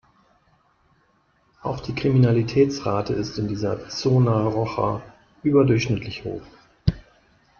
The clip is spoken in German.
Auch die Kriminalitätsrate ist in dieser "zona roja" überdurchschnittlich hoch.